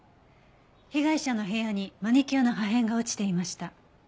被害者の部屋にマニキュアの破片が落ちていました。